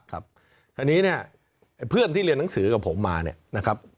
คราวนี้เนี่ยเพื่อนที่เรียนหนังสือกับผมมาเนี่ยนะครับ